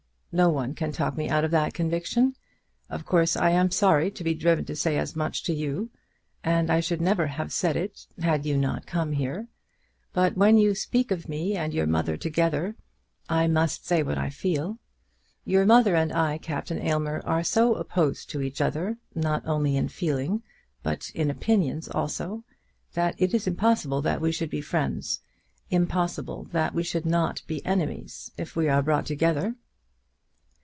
No one can talk me out of that conviction. Of course I am sorry to be driven to say as much to you, and I should never have said it, had you not come here. But when you speak of me and your mother together, I must say what I feel. Your mother and I, Captain Aylmer, are so opposed to each other, not only in feeling, but in opinions also, that it is impossible that we should be friends; impossible that we should not be enemies if we are brought together."